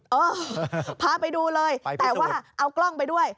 เออพาไปดูเลยแต่ว่าเอากล้องไปด้วย